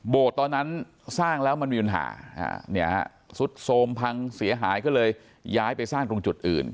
ตอนนั้นสร้างแล้วมันมีปัญหาสุดโทรมพังเสียหายก็เลยย้ายไปสร้างตรงจุดอื่น